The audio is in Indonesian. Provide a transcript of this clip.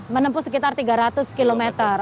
menempuh sekitar tiga ratus km